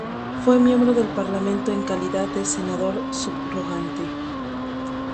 Fue miembro del parlamento en calidad de Senador subrogante.